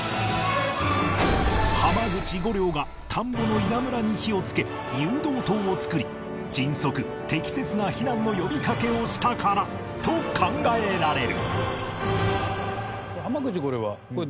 濱口梧陵が田んぼの稲むらに火をつけ誘導灯を作り迅速適切な避難の呼びかけをしたからと考えられる